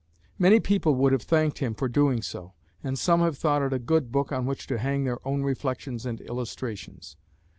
Many people would have thanked him for doing so; and some have thought it a good book on which to hang their own reflections and illustrations.